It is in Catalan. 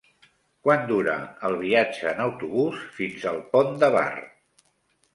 Quant dura el viatge en autobús fins al Pont de Bar?